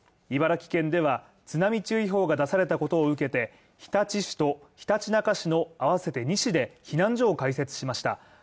茨城県では、津波注意報が出されたことを受けて、日立市とひたちなか市の合わせて２市で避難所を開設しました。